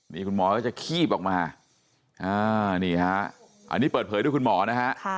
นี่คุณหมอก็จะคีบออกมานี่ฮะอันนี้เปิดเผยด้วยคุณหมอนะฮะ